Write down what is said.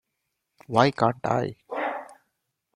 Why Can't I?